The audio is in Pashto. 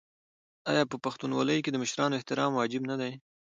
آیا په پښتونولۍ کې د مشرانو احترام واجب نه دی؟